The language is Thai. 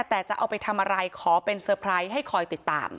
แต่จะเอาไปทำอะไรขอเป็นเซอร์ไพรส์ให้คอยติดตาม